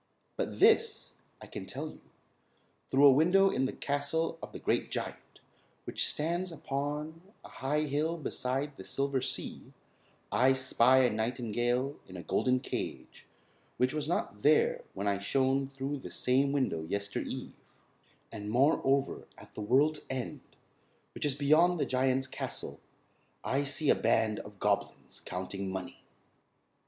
But this I can tell you: through a window in the castle of the Great Giant, which stands upon a high hill beside the Silver Sea, I spy a nightingale in a golden cage which was not there when I shone through that same window yester eve; and moreover, at the World's End, which is beyond the Giant's castle, I see a band of goblins counting money."